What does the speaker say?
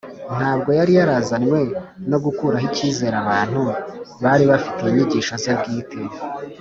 ntabwo yari yarazanywe no gukuraho icyizere abantu bari bafitiye inyigisho ze bwite